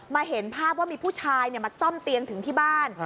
เห็นภาพว่ามีผู้ชายมาซ่อมเตียงถึงที่บ้าน